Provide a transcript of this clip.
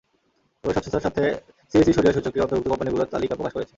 তবে স্বচ্ছতার স্বার্থে সিএসই শরিয়াহ সূচকে অন্তর্ভুক্ত কোম্পানিগুলোর তালিকা প্রকাশ করেছে।